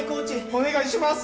お願いします！